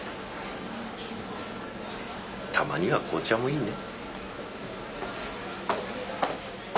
たまには紅茶もいいね。